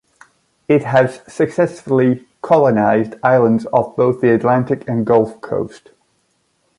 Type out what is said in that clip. It has successfully colonized islands off both the Atlantic and Gulf coasts.